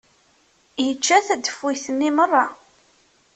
Yečča tadeffuyt-nni merra.